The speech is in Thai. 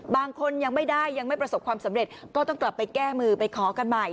บางคนยังไม่ได้ยังไม่ประสบความสำเร็จก็ต้องกลับไปแก้มือไปขอกันใหม่